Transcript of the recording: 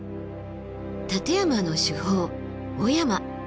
立山の主峰・雄山。